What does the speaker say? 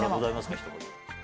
ひと言。